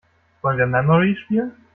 Wollen wir Memory spielen?